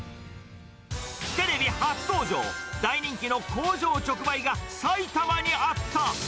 テレビ初登場、大人気の工場直売が埼玉にあった。